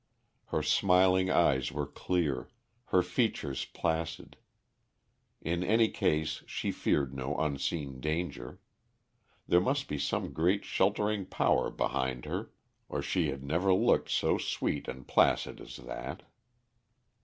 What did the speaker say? Her smiling eyes were clear, her features placid. In any case she feared no unseen danger. There must be some great sheltering power behind her, or she had never looked so sweet and placid as that.